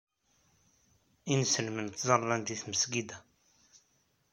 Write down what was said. Inselmen ttẓallan deg tmesgida.